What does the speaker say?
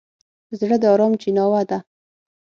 زړه د ارام چیناوه ده.